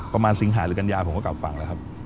ประมาณซิงหายรกัญญาผมก็กลับฟังแล้ว